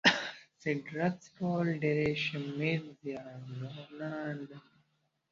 سيګرټ څکول ډيری شمېر زيانونه لري